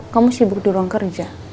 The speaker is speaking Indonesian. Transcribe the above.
kamu sibuk di ruang kerja